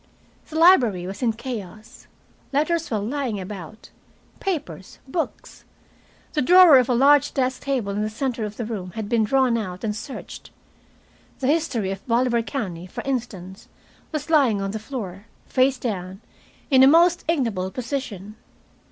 The library was in chaos. Letters were lying about, papers, books. The drawer of the large desk table in the center of the room had been drawn out and searched. "The History of Bolivar County," for instance, was lying on the floor, face down, in a most ignoble position.